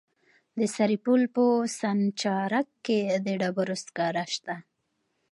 د سرپل په سانچارک کې د ډبرو سکاره شته.